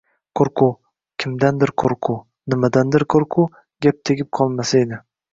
Qo‘rquv! Kimdandir qo‘rquv, nimadandir qo‘rquv: gap tegib qolmasa edi.